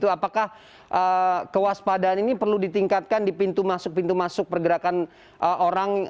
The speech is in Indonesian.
apakah kewaspadaan ini perlu ditingkatkan di pintu masuk pintu masuk pergerakan orang